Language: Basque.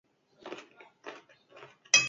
Igerilekuko ura aldatu behar dugu lehenbailehen.